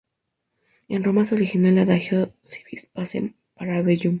En Roma se originó el adagio "Si vis pacem, para bellum".